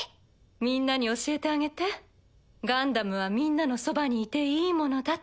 みんなに教えてあげてガンダムはみんなのそばにいていいものだって。